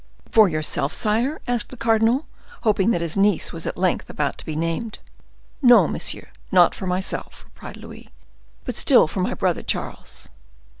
"For yourself, sire?" asked the cardinal, hoping that his niece was at length about to be named. "No, monsieur, not for myself," replied Louis, "but still for my brother Charles."